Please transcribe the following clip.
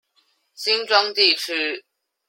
新莊地區